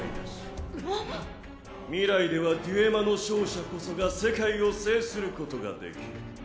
未来ではデュエマの勝者こそが世界を制することができる。